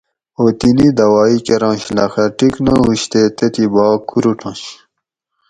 اوطِنی دوائ کۤرنش لخہ ٹِک نہ ہُش تے تتھیں بھاگ کُرُٹنش